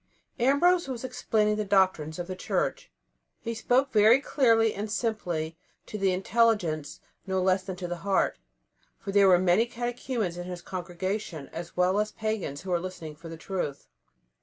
Ambrose was explaining the doctrines of the Church. He spoke very clearly and simply, to the intelligence no less than to the heart, for there were many catechumens in his congregation, as well as pagans who were seeking for the truth.